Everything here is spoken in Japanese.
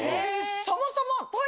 そもそも。